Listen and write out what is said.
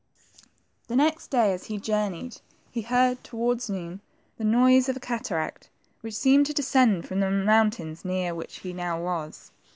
The next day as he journeyed he heard, towards noon, the noise of a cataract which seemed to descend from the mountains near which he now was.